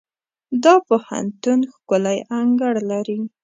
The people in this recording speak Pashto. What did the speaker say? دا پوهنتون ښکلی انګړ لري.